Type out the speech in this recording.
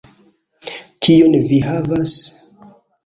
Kion vi havas?